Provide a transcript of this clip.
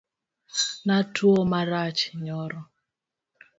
Natuo marach nyoro.